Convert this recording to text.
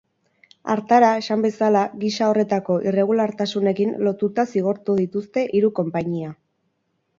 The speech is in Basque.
Hartara, esan bezala, gisa horretako irregulartasunekin lotuta zigortu dituzte hiru konpainia.